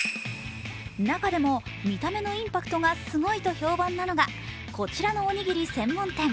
中でも、見た目のインパクトがすごいと評判なのがこちらのおにぎり専門店。